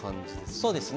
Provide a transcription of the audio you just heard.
そうですね。